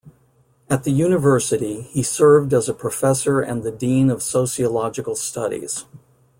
At the university, he served as a professor and the dean of sociological studies.